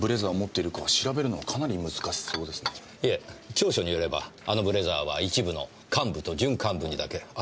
調書によればあのブレザーは一部の幹部と準幹部にだけ与えられたようです。